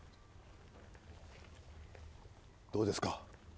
どうですか？